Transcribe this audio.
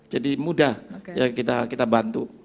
jadi mudah kita bantu